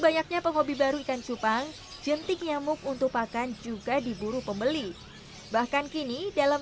banyaknya pehobi baru ikan cupang jentik nyamuk untuk pakan juga diburu pembeli bahkan kini dalam